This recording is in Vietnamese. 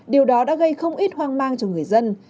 điều đó đã gây không ít hoang mang cho người dân